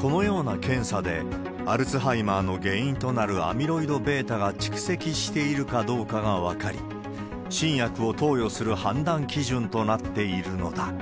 このような検査で、アルツハイマーの原因となるアミロイドβが蓄積しているかどうかが分かり、新薬を投与する判断基準となっているのだ。